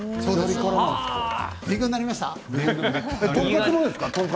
勉強になりましたか？